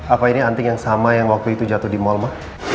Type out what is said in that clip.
apa ini anting yang sama yang waktu itu jatuh di mal mah